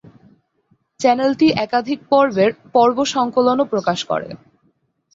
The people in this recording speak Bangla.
চ্যানেলটি একাধিক পর্বের "পর্ব-সংকলন"ও প্রকাশ করে।